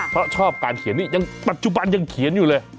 เพราะชอบการเขียนนี้ยังปัจจุบันยังเขียนอยู่เลย